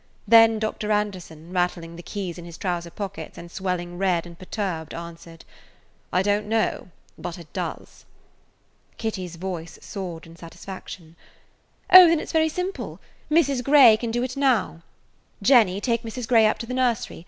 Then Dr. Anderson, rattling the keys in his trousers pockets and swelling red and perturbed, answered: "I don't know, but it does." Kitty's voice soared in satisfaction. "Oh, then it 's very simple. Mrs. Grey can do it now. Jenny, take Mrs. Grey up to the nursery.